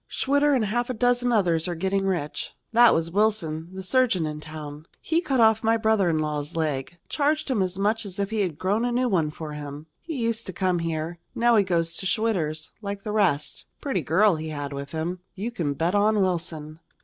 Schwitter and half a dozen others are getting rich." "That was Wilson, the surgeon in town. He cut off my brother in law's leg charged him as much as if he had grown a new one for him. He used to come here. Now he goes to Schwitter's, like the rest. Pretty girl he had with him. You can bet on Wilson."